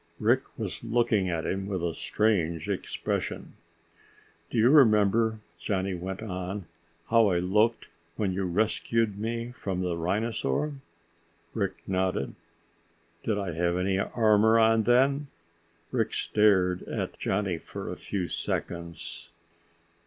Rick was looking at him with a strange expression. "Do you remember," Johnny went on, "how I looked when you rescued me from the rhinosaur?" Rick nodded. "Did I have any armor on then?" Rick stared at Johnny for a few seconds.